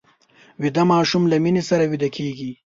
ویده ماشوم له مینې سره ویده کېږي